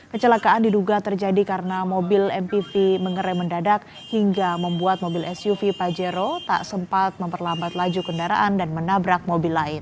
kecelakaan diduga terjadi karena mobil mpv mengerai mendadak hingga membuat mobil suv pajero tak sempat memperlambat laju kendaraan dan menabrak mobil lain